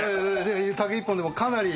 竹１本でもかなり。